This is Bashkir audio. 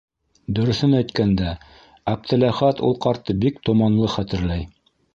Дөрөҫөн әйткәндә, Әптеләхәт ул ҡартты бик томанлы хәтерләй.